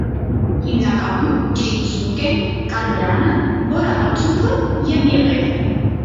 Հիմանականում ջրից զուրկ են կարմրանը, բորակաթուփը և եղեգը։